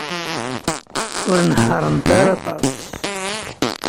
Ur nehhṛent ara aṭas.